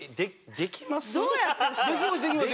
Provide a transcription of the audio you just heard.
できますできます。